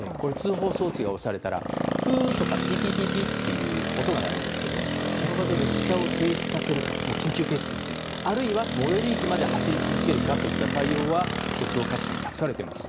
通報装置が押されたらプーとかピピピピという音が鳴るので列車を緊急停止するか、あるいは最寄り駅まで走り続けるかといった対応は鉄道各社に託されています。